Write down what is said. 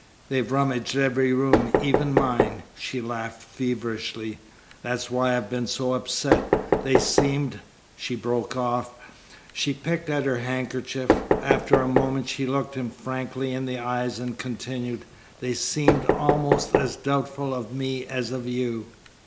They've rummaged every room even mine." She laughed feverishly. "That's why I've been so upset. They seemed " She broke off. She picked at her handkerchief. After a moment she looked him frankly in the eyes and continued: "They seemed almost as doubtful of me as of you."